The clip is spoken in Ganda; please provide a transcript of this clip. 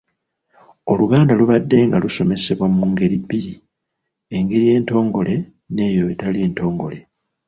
Oluganda lubaddenga lusomesebwa mu ngeri bbiri; engeri entongole, n’eyo etali ntongole.